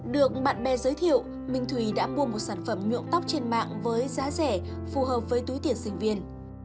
được bạn bè giới thiệu minh thùy đã mua một sản phẩm nhuộm tóc trên mạng với giá rẻ phù hợp với túi tiền sinh viên